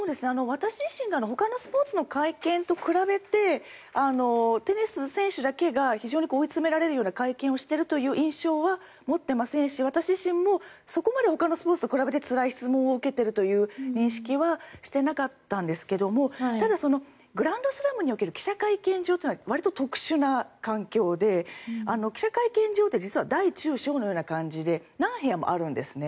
私自身ほかのスポーツの会見と比べてテニス選手だけが非常に追い詰められるような会見をしているというような印象は持っていませんし私自身もそこまでほかのスポーツと比べてつらい質問を受けているという認識はしていなかったんですがただ、グランドスラムにおける記者会見場というのはわりと特殊な環境で記者会見場って実は大中小のような感じで何部屋もあるんですね。